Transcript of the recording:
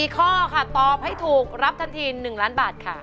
๔ข้อค่ะตอบให้ถูกรับทันที๑ล้านบาทค่ะ